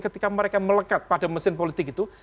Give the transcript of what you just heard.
ketika mereka melekat pada mesin politik itu